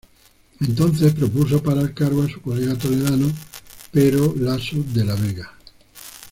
Entonces propuso para el cargo a su colega toledano Pero Laso de la Vega.